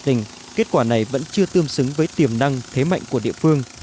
tình kết quả này vẫn chưa tương xứng với tiềm năng thế mạnh của địa phương